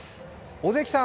尾関さん